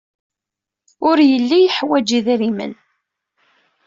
Ur yelli yeḥwaj idrimen.